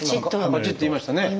パチッていいましたね。